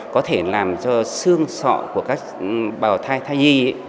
có thể làm cho xương sọ của các bào thai thai nhi